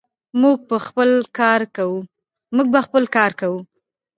موږ به خپل کار کوو.